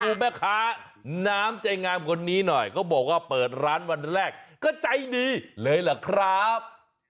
แม่ค้าน้ำใจงามคนนี้หน่อยเขาบอกว่าเปิดร้านวันแรกก็ใจดีเลยล่ะครับ